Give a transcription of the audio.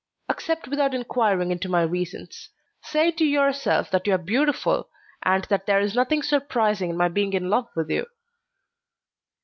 Accept without inquiring into my reasons; say to yourself that you are beautiful, and that there is nothing surprising in my being in love with you."